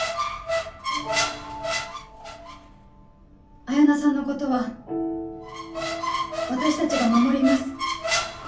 彩菜さんのことは私たちが守ります。